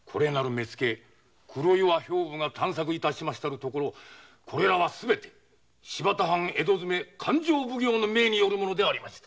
目付黒岩が探索致しましたところこれらは新発田藩江戸詰勘定奉行の命によるものでありました。